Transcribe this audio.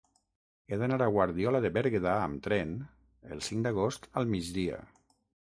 He d'anar a Guardiola de Berguedà amb tren el cinc d'agost al migdia.